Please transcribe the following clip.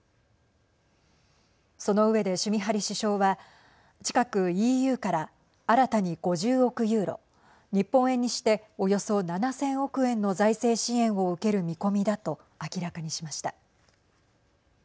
その上でシュミハリ首相は近くＥＵから新たに５０億ユーロ日本円にしておよそ７０００億円の財政支援を受ける見込みだと明らかにしました。